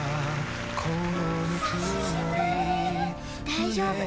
大丈夫。